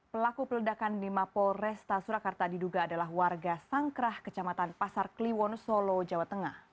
pelaku peledakan di mapol resta surakarta diduga adalah warga sangkrah kecamatan pasar kliwon solo jawa tengah